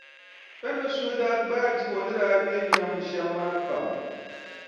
Femi suhu daa gbaai Debo ni be nyam shɛm maa pam.